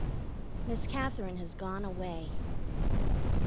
Miss Katherine has gone away.